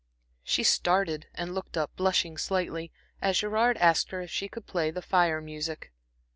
She started and looked up, blushing slightly, as Gerard asked her if she could play the Fire music.